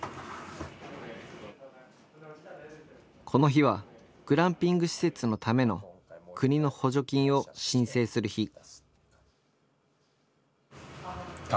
この日はグランピング施設のための国の補助金を申請する日。